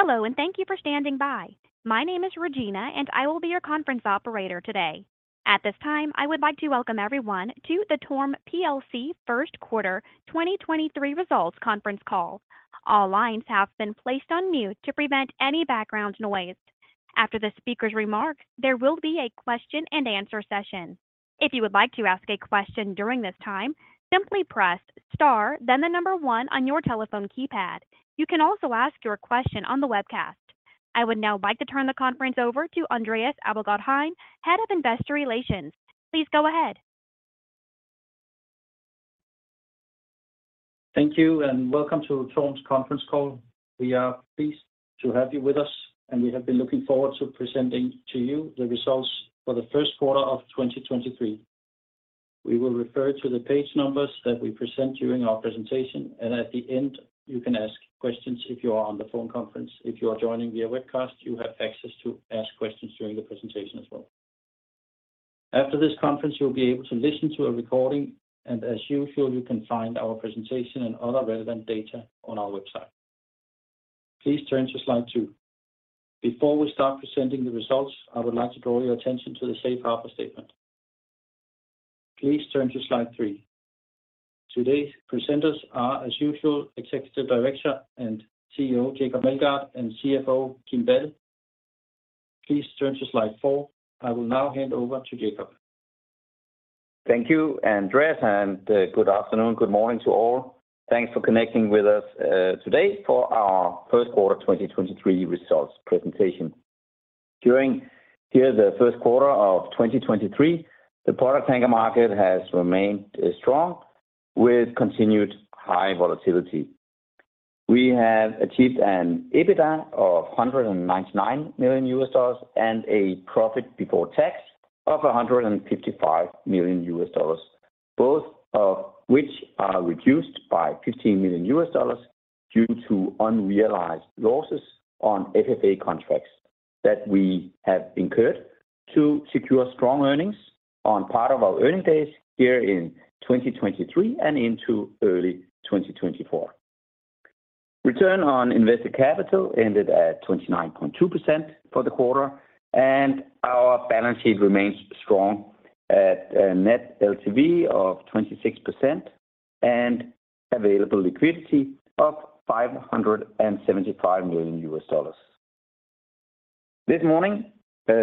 Hello, thank you for standing by. My name is Regina, and I will be your conference operator today. At this time, I would like to welcome everyone to the TORM plc first quarter 2023 results conference call. All lines have been placed on mute to prevent any background noise. After the speaker's remarks, there will be a question and answer session. If you would like to ask a question during this time, simply press star then the number 1 on your telephone keypad. You can also ask your question on the webcast. I would now like to turn the conference over to Andreas Abildgaard-Hein, Head of Investor Relations. Please go ahead. Thank you, welcome to TORM's conference call. We are pleased to have you with us, we have been looking forward to presenting to you the results for the first quarter of 2023. We will refer to the page numbers that we present during our presentation, at the end, you can ask questions if you are on the phone conference. If you are joining via webcast, you have access to ask questions during the presentation as well. After this conference, you'll be able to listen to a recording, as usual, you can find our presentation and other relevant data on our website. Please turn to slide 2. Before we start presenting the results, I would like to draw your attention to the safe harbor statement. Please turn to slide 3. Today's presenters are, as usual, Executive Director and CEO Jacob Meldgaard and CFO Kim Balle. Please turn to slide four. I will now hand over to Jacob. Thank you, Andreas, and good afternoon, good morning to all. Thanks for connecting with us today for our first quarter 2023 results presentation. During the first quarter of 2023, the product tanker market has remained strong with continued high volatility. We have achieved an EBITDA of $199 million and a profit before tax of $155 million, both of which are reduced by $15 million due to unrealized losses on FFA contracts that we have incurred to secure strong earnings on part of our earning days here in 2023 and into early 2024. Return on Invested Capital ended at 29.2% for the quarter, and our balance sheet remains strong at a net LTV of 26% and available liquidity of $575 million. This morning,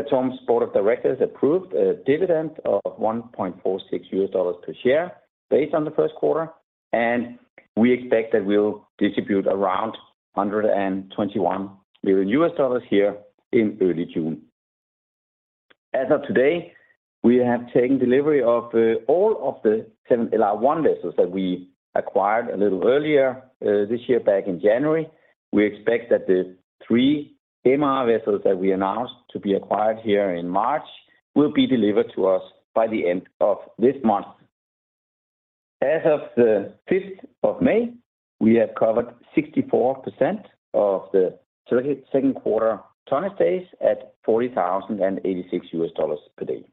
TORM's board of directors approved a dividend of $1.46 per share based on the first quarter, and we expect that we'll distribute around $121 million here in early June. As of today, we have taken delivery of all of the seven LR1 vessels that we acquired a little earlier this year back in January. We expect that the three MR vessels that we announced to be acquired here in March will be delivered to us by the end of this month. As of the 5th of May, we have covered 64% of the target second quarter tonnage days at $40,086 per day.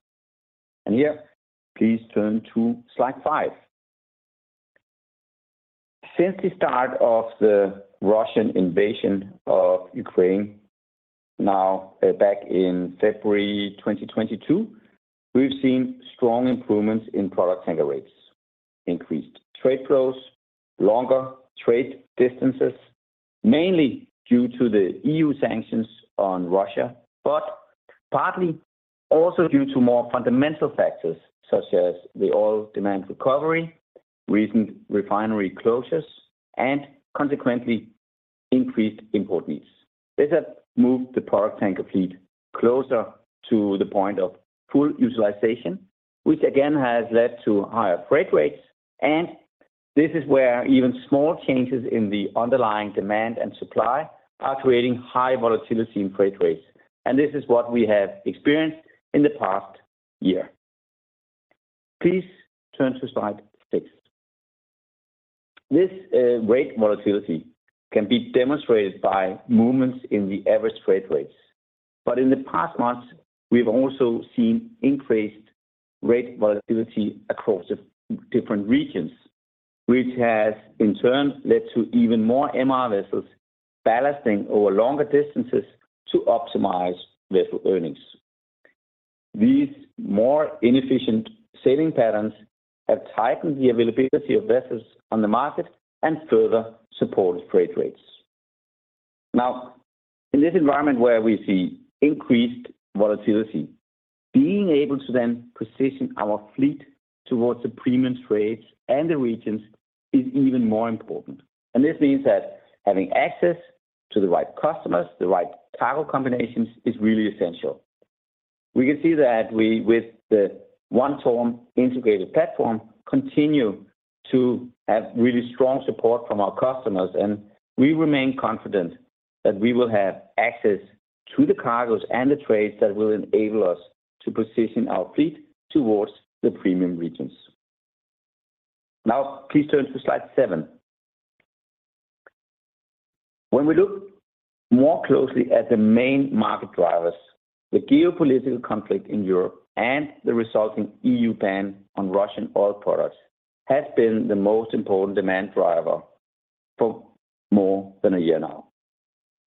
Here, please turn to slide 5. Since the start of the Russian invasion of Ukraine now, back in February 2022, we've seen strong improvements in product tanker rates, increased trade flows, longer trade distances, mainly due to the EU sanctions on Russia, but partly also due to more fundamental factors such as the oil demand recovery, recent refinery closures, and consequently increased import needs. This has moved the product tanker fleet closer to the point of full utilization, which again has led to higher freight rates. This is where even small changes in the underlying demand and supply are creating high volatility in freight rates. This is what we have experienced in the past year. Please turn to slide 6. This rate volatility can be demonstrated by movements in the average freight rates. In the past months, we've also seen increased rate volatility across the different regions, which has in turn led to even more MR vessels ballasting over longer distances to optimize vessel earnings. These more inefficient sailing patterns have tightened the availability of vessels on the market and further supported freight rates. In this environment where we see increased volatility, being able to then position our fleet towards the premium trades and the regions is even more important. This means that having access to the right customers, the right cargo combinations, is really essential. We can see that we, with the One TORM integrated platform, continue to have really strong support from our customers, and we remain confident that we will have access to the cargos and the trades that will enable us to position our fleet towards the premium regions. Please turn to slide 7. When we look more closely at the main market drivers, the geopolitical conflict in Europe and the resulting EU ban on Russian oil products has been the most important demand driver for more than a year now.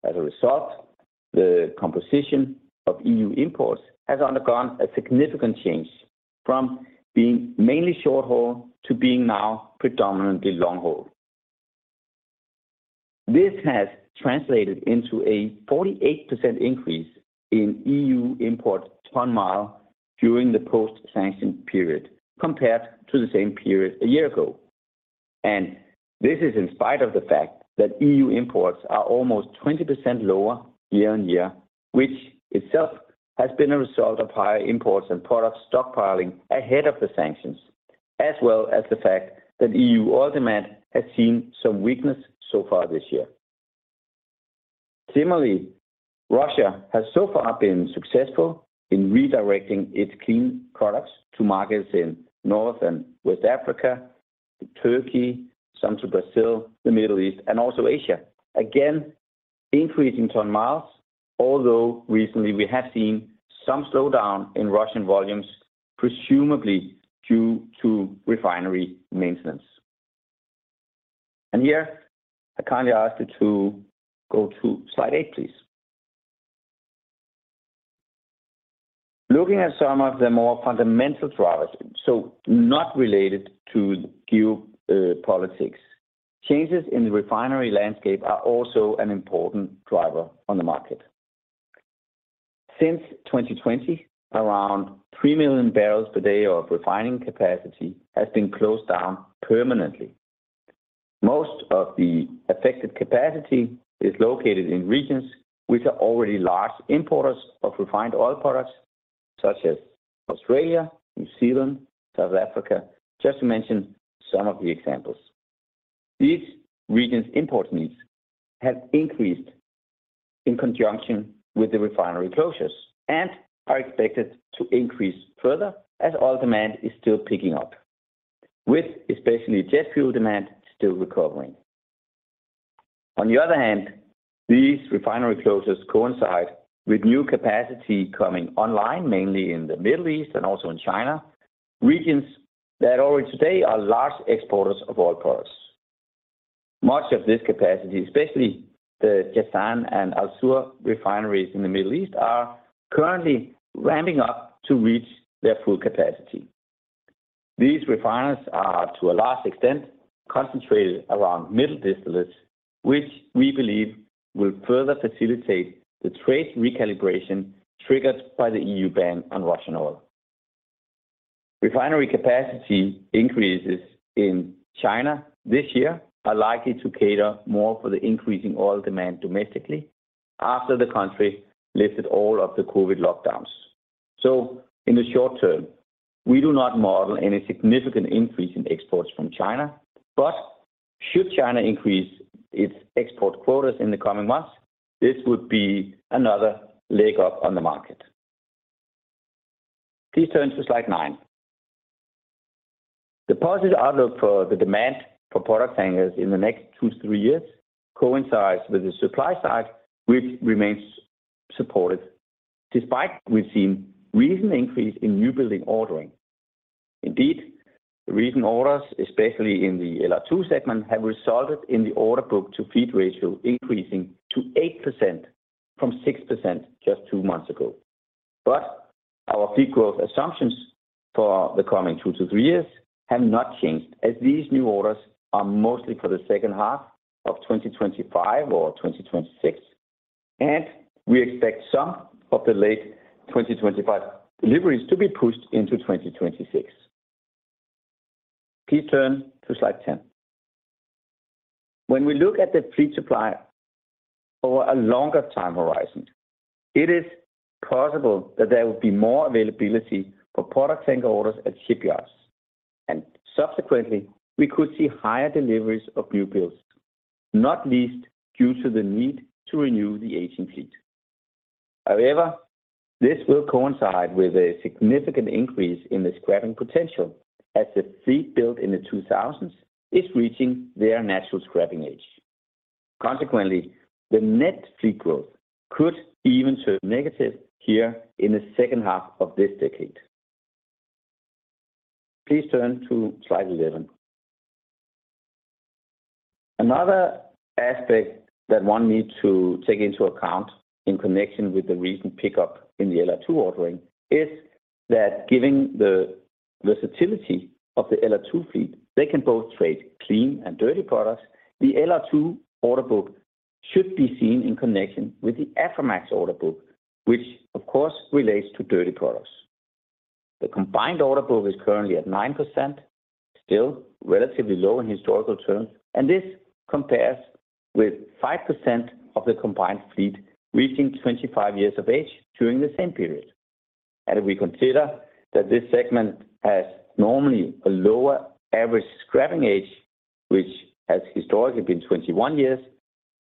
As a result, the composition of EU imports has undergone a significant change from being mainly short-haul to being now predominantly long-haul. This has translated into a 48% increase in EU imports ton-mile during the post-sanction period compared to the same period a year ago. This is in spite of the fact that EU imports are almost 20% lower year-on-year, which itself has been a result of higher imports and product stockpiling ahead of the sanctions, as well as the fact that EU oil demand has seen some weakness so far this year. Similarly, Russia has so far been successful in redirecting its clean products to markets in North and West Africa, to Turkey, some to Brazil, the Middle East and also Asia. Again, increasing ton-miles, although recently we have seen some slowdown in Russian volumes, presumably due to refinery maintenance. Here, I kindly ask you to go to slide 8, please. Looking at some of the more fundamental drivers, so not related to geopolitics, changes in the refinery landscape are also an important driver on the market. Since 2020, around 3 million barrels per day of refining capacity has been closed down permanently. Most of the affected capacity is located in regions which are already large importers of refined oil products such as Australia, New Zealand, South Africa, just to mention some of the examples. These regions' import needs have increased in conjunction with the refinery closures and are expected to increase further as oil demand is still picking up, with especially jet fuel demand still recovering. On the other hand, these refinery closures coincide with new capacity coming online, mainly in the Middle East and also in China, regions that already today are large exporters of oil products. Much of this capacity, especially the Jazan and Al Zour refineries in the Middle East, are currently ramping up to reach their full capacity. These refineries are, to a large extent, concentrated around middle distillates, which we believe will further facilitate the trade recalibration triggered by the EU ban on Russian oil. Refinery capacity increases in China this year are likely to cater more for the increasing oil demand domestically after the country lifted all of the COVID lockdowns. In the short term, we do not model any significant increase in exports from China. Should China increase its export quotas in the coming months, this would be another leg up on the market. Please turn to slide 9. The positive outlook for the demand for product tankers in the next 2 to 3 years coincides with the supply side, which remains supportive despite we've seen recent increase in new building ordering. Indeed, the recent orders, especially in the LR2 segment, have resulted in the order book-to-fleet ratio increasing to 8% from 6% just 2 months ago. Our fleet growth assumptions for the coming 2 to 3 years have not changed as these new orders are mostly for the second half of 2025 or 2026, and we expect some of the late 2025 deliveries to be pushed into 2026. Please turn to slide 10. When we look at the fleet supply over a longer time horizon, it is possible that there will be more availability for product tanker orders at shipyards, and subsequently we could see higher deliveries of newbuilds, not least due to the need to renew the aging fleet. This will coincide with a significant increase in the scrapping potential as the fleet built in the 2000s is reaching their natural scrapping age. The net fleet growth could even turn negative here in the second half of this decade. Please turn to slide 11. Another aspect that one needs to take into account in connection with the recent pickup in the LR2 ordering is that given the versatility of the LR2 fleet, they can both trade clean and dirty products. The LR2 order book should be seen in connection with the Aframax order book, which of course relates to dirty products. The combined order book is currently at 9%, still relatively low in historical terms. This compares with 5% of the combined fleet reaching 25 years of age during the same period. We consider that this segment has normally a lower average scrapping age, which has historically been 21 years,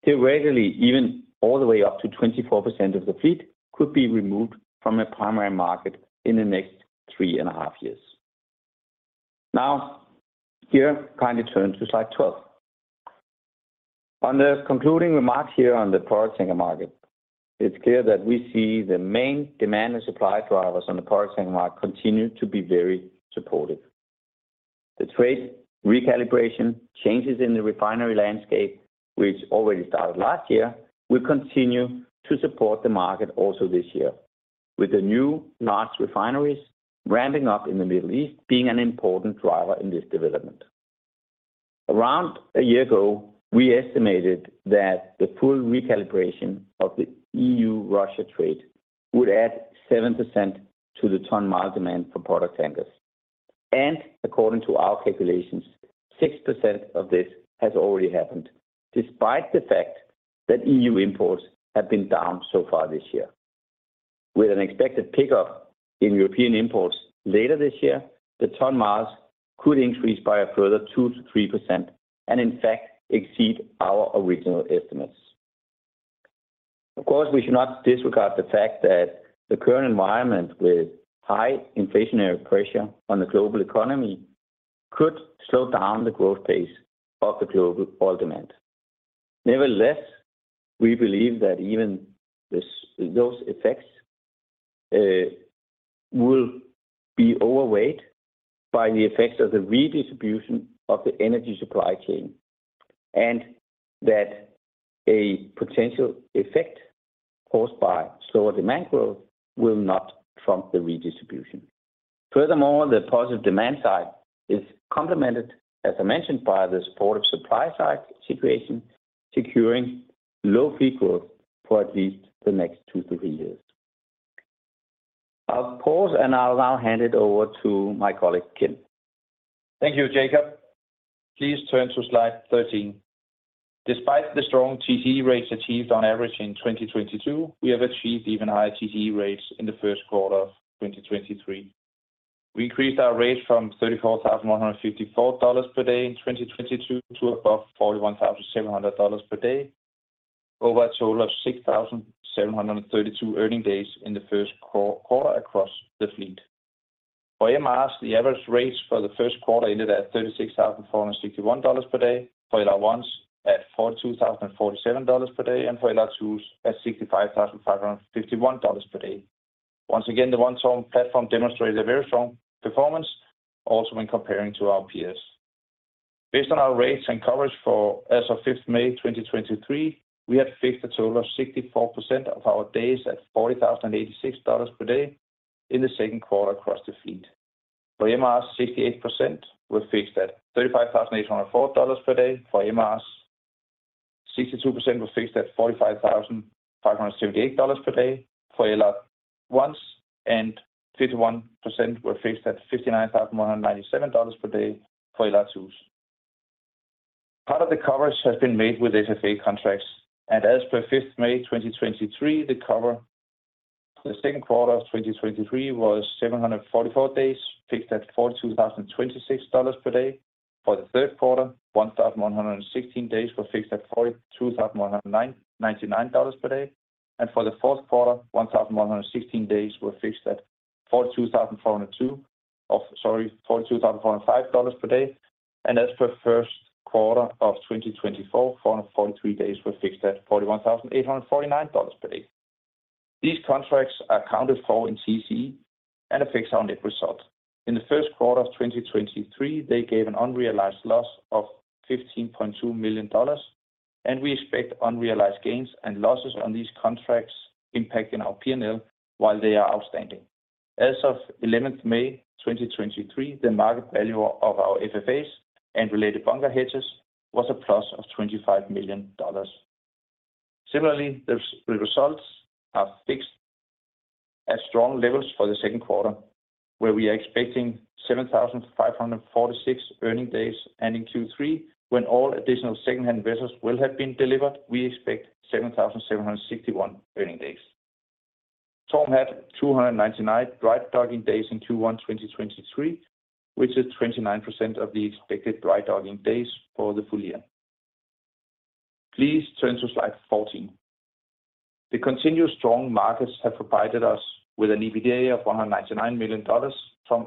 theoretically, even all the way up to 24% of the fleet could be removed from a primary market in the next 3.5 years. Here, kindly turn to slide 12. On the concluding remarks here on the product tanker market, it's clear that we see the main demand and supply drivers on the product tanker market continue to be very supportive. The trade recalibration changes in the refinery landscape, which already started last year, will continue to support the market also this year, with the new large refineries ramping up in the Middle East being an important driver in this development. Around a year ago, we estimated that the full recalibration of the EU-Russia trade would add 7% to the ton-mile demand for product tankers. According to our calculations, 6% of this has already happened, despite the fact that EU imports have been down so far this year. With an expected pickup in European imports later this year, the ton-miles could increase by a further 2%-3% and in fact exceed our original estimates. Of course, we should not disregard the fact that the current environment with high inflationary pressure on the global economy could slow down the growth pace of the global oil demand. Nevertheless, we believe that even those effects will be outweighed by the effects of the redistribution of the energy supply chain, that a potential effect caused by slower demand growth will not trump the redistribution. Furthermore, the positive demand side is complemented, as I mentioned, by the supportive supply side situation, securing low fleet growth for at least the next two to three years. I'll pause. I'll now hand it over to my colleague, Kim. Thank you, Jacob. Please turn to slide 13. Despite the strong TCE rates achieved on average in 2022, we have achieved even higher TCE rates in the first quarter of 2023. We increased our rates from $34,154 per day in 2022 to above $41,700 per day over a total of 6,732 earning days in the first quarter across the fleet. For MRs, the average rates for the first quarter ended at $36,461 per day, for LR1s at $42,047 per day, and for LR2s at $65,551 per day. Once again, the One TORM platform demonstrated a very strong performance also when comparing to our peers. Based on our rates and coverage for as of 5th May 2023, we had fixed a total of 64% of our days at $40,086 per day in the second quarter across the fleet. For MRs, 68% were fixed at $35,804 per day. For MRs, 62% were fixed at $45,578 per day for LR1s, and 51% were fixed at $59,197 per day for LR2s. Part of the coverage has been made with FFA contracts, and as per 5th May 2023, the cover for the second quarter of 2023 was 744 days fixed at $42,026 per day. For the third quarter, 1,116 days were fixed at $42,199 per day. For the fourth quarter, 1,116 days were fixed at $42,405 per day. As per first quarter of 2024, 443 days were fixed at $41,849 per day. These contracts are accounted for in TCE and affects our net result. In the first quarter of 2023, they gave an unrealized loss of $15.2 million, we expect unrealized gains and losses on these contracts impacting our P&L while they are outstanding. As of 11th May 2023, the market value of our FFAs and related bunker hedges was a plus of $25 million. Similarly, the results are fixed at strong levels for the second quarter, where we are expecting 7,546 earning days, and in Q3, when all additional secondhand vessels will have been delivered, we expect 7,761 earning days. TORM had 299 dry docking days in Q1 2023, which is 29% of the expected dry docking days for the full year. Please turn to slide 14. The continuous strong markets have provided us with an EBITDA of $199 million from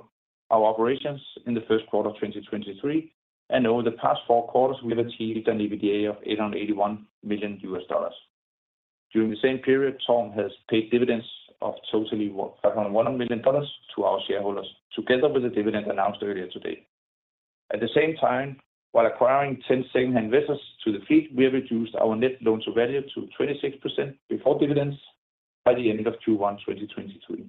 our operations in the first quarter of 2023. Over the past four quarters, we have achieved an EBITDA of $881 million. During the same period, TORM has paid dividends of totally $100 million to our shareholders, together with the dividend announced earlier today. At the same time, while acquiring 10 secondhand vessels to the fleet, we have reduced our net loan-to-value to 26% before dividends by the end of Q1 2023.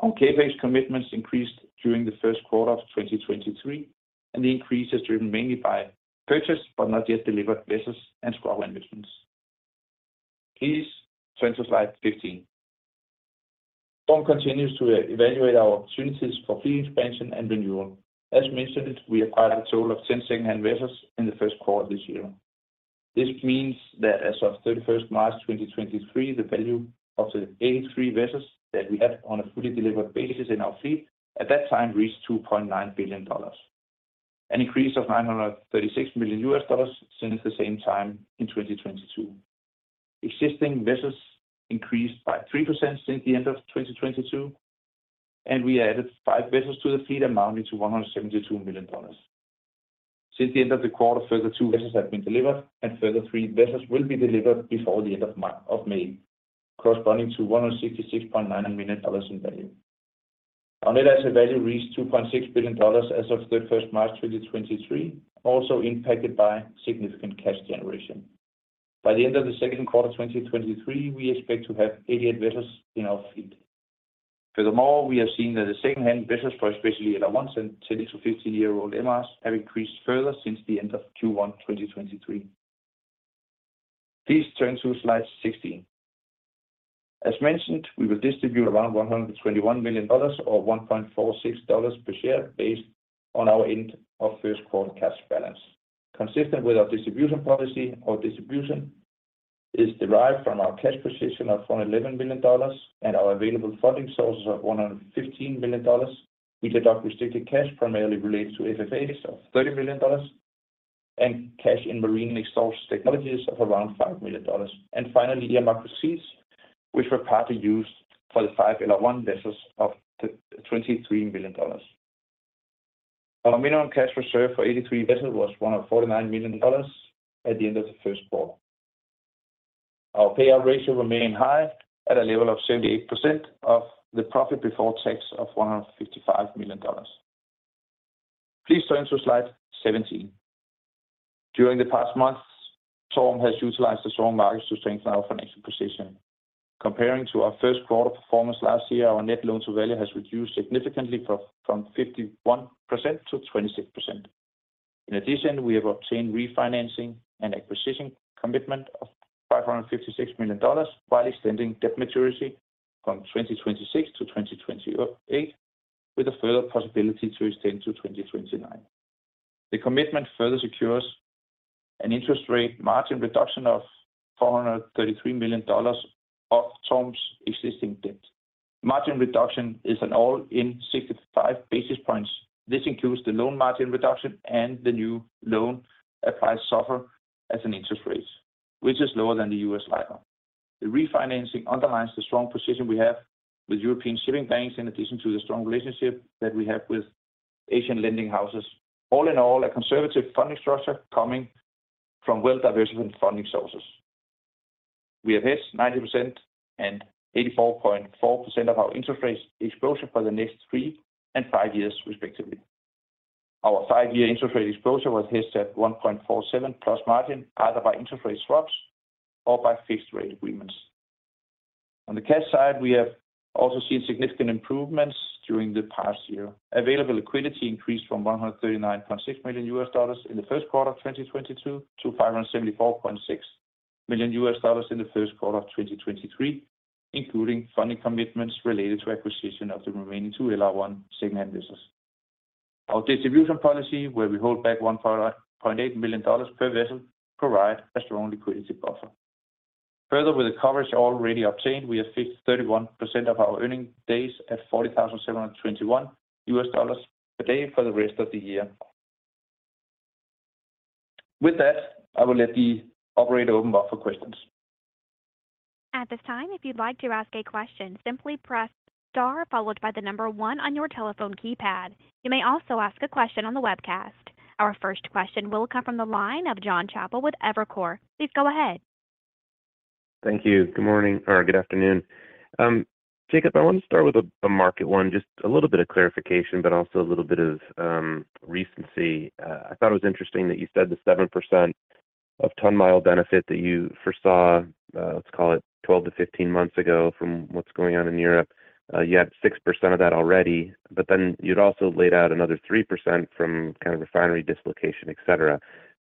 Our CapEx commitments increased during the first quarter of 2023. The increase is driven mainly by purchase, but not yet delivered vessels and scrubber investments. Please turn to slide 15. TORM continues to evaluate our opportunities for fleet expansion and renewal. As mentioned, we acquired a total of 10 secondhand vessels in the first quarter this year. This means that as of 31st March 2023, the value of the 83 vessels that we had on a fully delivered basis in our fleet at that time reached $2.9 billion, an increase of $936 million since the same time in 2022. Existing vessels increased by 3% since the end of 2022. We added 5 vessels to the fleet amounting to $172 million. Since the end of the quarter, further two vessels have been delivered, and further 3 vessels will be delivered before the end of May, corresponding to $166.9 million in value. Our net asset value reached $2.6 billion as of the 1st March 2023, also impacted by significant cash generation. By the end of the second quarter 2023, we expect to have 88 vessels in our fleet. We have seen that the secondhand vessels price, especially LR1s and 10-15-year-old MRs, have increased further since the end of Q1 2023. Please turn to slide 16. As mentioned, we will distribute around $121 million or $1.46 per share based on our end of first quarter cash balance. Consistent with our distribution policy, our distribution is derived from our cash position of $411 million and our available funding sources of $115 million. We deduct restricted cash primarily related to FFAs of $30 million and cash in Marine Exhaust Technology of around $5 million. Finally, MR proceeds, which were partly used for the five LR1 vessels of $23 million. Our minimum cash reserve for 83 vessels was $149 million at the end of the first quarter. Our payout ratio remained high at a level of 78% of the profit before tax of $155 million. Please turn to slide 17. During the past months, TORM has utilized the strong markets to strengthen our financial position. Comparing to our first quarter performance last year, our net loan-to-value has reduced significantly from 51% to 26%. In addition, we have obtained refinancing and acquisition commitment of $556 million while extending debt maturity from 2026 to 2028, with a further possibility to extend to 2029. The commitment further secures an interest rate margin reduction of $433 million of TORM's existing debt. Margin reduction is an all-in 65 basis points. This includes the loan margin reduction and the new loan applies SOFR as an interest rate, which is lower than the U.S. LIBOR. The refinancing underlines the strong position we have with European shipping banks, in addition to the strong relationship that we have with Asian lending houses. All in all, a conservative funding structure coming from well-diversified funding sources. We have hedged 90% and 84.4% of our interest rate exposure for the next three and five years, respectively. Our five-year interest rate exposure was hedged at 1.47 plus margin, either by interest rate swaps or by fixed rate agreements. On the cash side, we have also seen significant improvements during the past year. Available liquidity increased from $139.6 million in the first quarter of 2022 to $574.6 million in the first quarter of 2023, including funding commitments related to acquisition of the remaining two LR1 secondhand vessels. Our distribution policy, where we hold back $1.8 million per vessel, provide a strong liquidity buffer. Further, with the coverage already obtained, we have fixed 31% of our earning days at $40,721 a day for the rest of the year. With that, I will let the operator open up for questions. At this time, if you'd like to ask a question, simply press star followed by the number one on your telephone keypad. You may also ask a question on the webcast. Our first question will come from the line of Jonathan Chappell with Evercore. Please go ahead. Thank you. Good morning or good afternoon. Jacob, I want to start with a market one, just a little bit of clarification, but also a little bit of recency. I thought it was interesting that you said the 7% of ton-mile benefit that you foresaw, let's call it 12 to 15 months ago from what's going on in Europe. You have 6% of that already, but then you'd also laid out another 3% from kind of refinery dislocation, et cetera.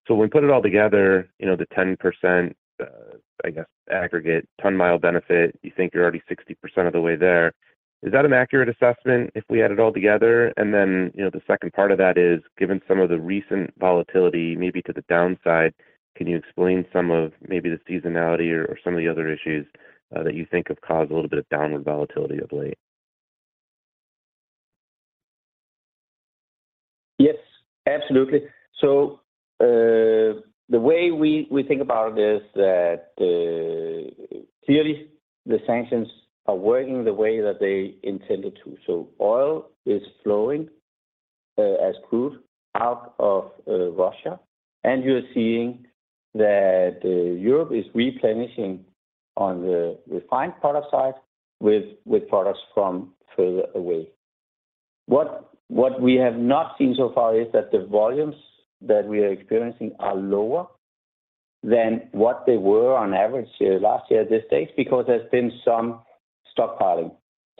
When put it all together, you know, the 10% aggregate ton-mile benefit, you think you're already 60% of the way there. Is that an accurate assessment if we add it all together? You know, the second part of that is, given some of the recent volatility maybe to the downside, can you explain some of maybe the seasonality or some of the other issues that you think have caused a little bit of downward volatility of late? Yes, absolutely. The way we think about it is that clearly the sanctions are working the way that they intended to. Oil is flowing as crude out of Russia, and you're seeing that Europe is replenishing on the refined product side with products from further away. What we have not seen so far is that the volumes that we are experiencing are lower than what they were on average here last year at this stage, because there's been some stockpiling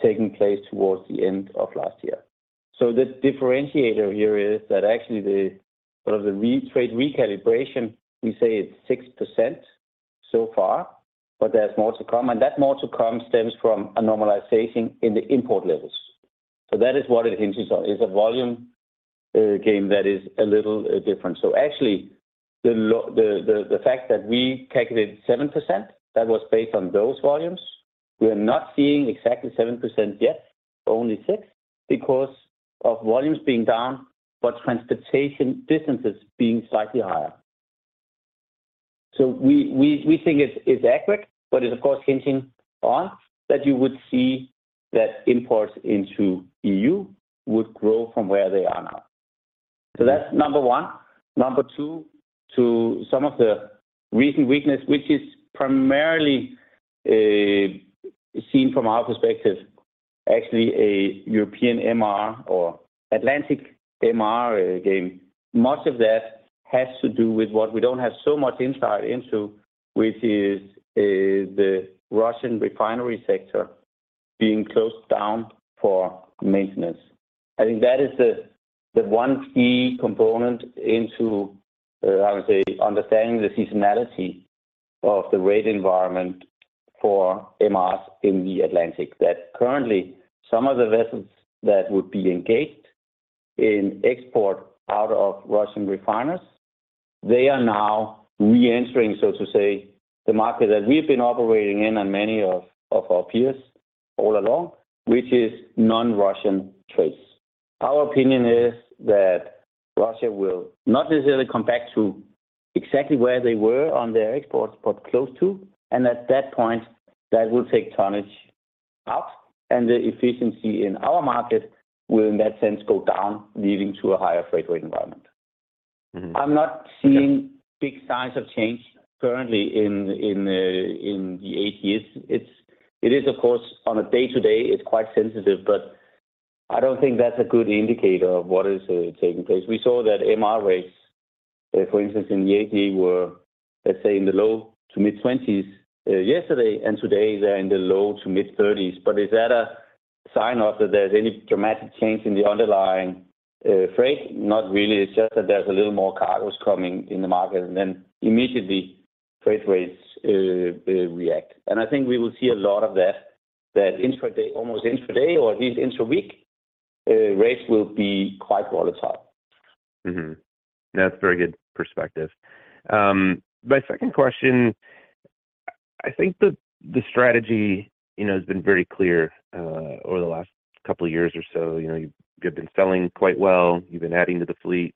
taking place towards the end of last year. The differentiator here is that actually the sort of the trade recalibration, we say it's 6% so far, but there's more to come. That more to come stems from a normalization in the import levels. That is what it hinges on. It's a volume, game that is a little, different. Actually, the fact that we calculated 7%, that was based on those volumes. We're not seeing exactly 7% yet, only 6%, because of volumes being down, but transportation distances being slightly higher. We think it's accurate, but it's of course hinting on that you would see that imports into EU would grow from where they are now. That's number one. Number two, to some of the recent weakness, which is primarily seen from our perspective, actually a European MR or Atlantic MR game. Much of that has to do with what we don't have so much insight into, which is the Russian refinery sector being closed down for maintenance. I think that is the one key component into, I would say, understanding the seasonality of the rate environment for MRs in the Atlantic that currently some of the vessels that would be engaged in export out of Russian refiners, they are now re-entering, so to say, the market that we've been operating in and many of our peers all along, which is non-Russian trades. Our opinion is that Russia will not necessarily come back to exactly where they were on their exports, but close to. At that point, that will take tonnage out, and the efficiency in our market will in that sense go down, leading to a higher freight rate environment. Mm-hmm. Okay. I'm not seeing big signs of change currently in the Atlantic. It is of course, on a day-to-day it's quite sensitive, but I don't think that's a good indicator of what is taking place. We saw that MR rates, for instance in the ATA were, let's say in the low to mid-20s yesterday, and today they're in the low to mid-30s. Is that a sign of that there's any dramatic change in the underlying freight? Not really. It's just that there's a little more cargos coming in the market and then immediately freight rates react. I think we will see a lot of that intra day, almost intra day or at least intra week, rates will be quite volatile. That's very good perspective. My second question, I think the strategy, you know, has been very clear, over the last couple of years or so. You know, you've been selling quite well. You've been adding to the fleet,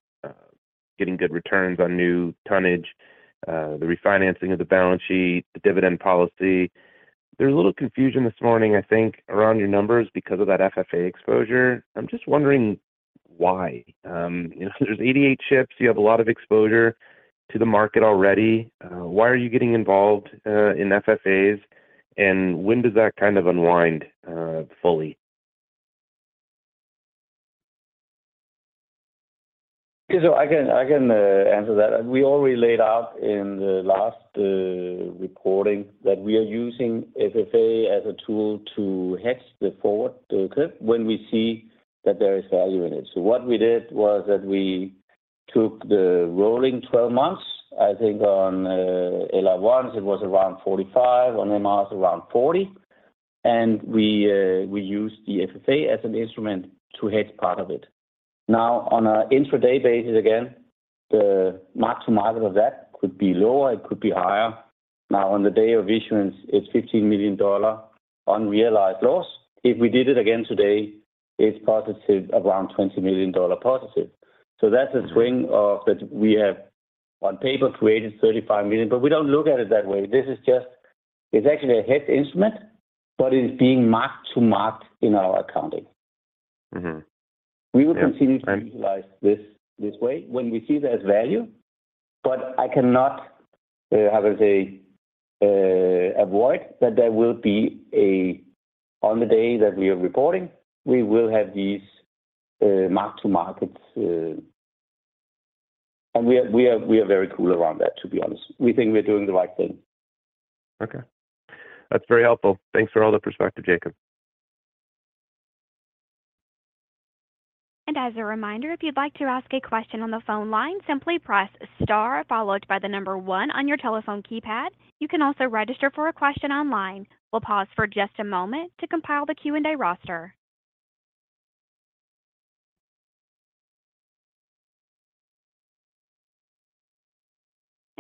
getting good returns on new tonnage, the refinancing of the balance sheet, the dividend policy. There's a little confusion this morning, I think, around your numbers because of that FFA exposure. I'm just wondering why. You know, there's 88 ships. You have a lot of exposure to the market already. Why are you getting involved in FFAs, and when does that kind of unwind fully? Yeah, I can answer that. We already laid out in the last reporting that we are using FFA as a tool to hedge the forward clip when we see that there is value in it. What we did was that we took the rolling 12 months, I think on LR1s it was around 45, on MRs around 40. We used the FFA as an instrument to hedge part of it. On an intraday basis, again, the mark to market of that could be lower, it could be higher. On the day of issuance, it's $15 million unrealized loss. If we did it again today, it's positive, around $20 million positive. That's a swing of that we have on paper created $35 million, but we don't look at it that way. This is just, it's actually a hedge instrument, but it is being marked to market in our accounting. Mm-hmm. Yeah. We will continue to utilize this way when we see there's value. I cannot, how do you say, avoid that there will be on the day that we are reporting, we will have these mark to markets. We are very cool around that, to be honest. We think we're doing the right thing. Okay. That's very helpful. Thanks for all the perspective, Jacob. As a reminder, if you'd like to ask a question on the phone line, simply press star followed by the 1 on your telephone keypad. You can also register for a question online. We'll pause for just a moment to compile the Q&A roster.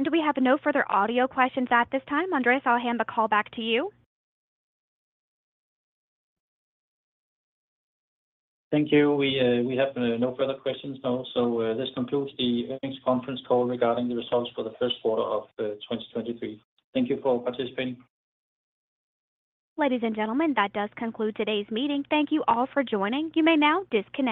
We have no further audio questions at this time. Andreas, I'll hand the call back to you. Thank you. We have no further questions now, so, this concludes the earnings conference call regarding the results for the first quarter of 2023. Thank you for participating. Ladies and gentlemen, that does conclude today's meeting. Thank you all for joining. You may now disconnect.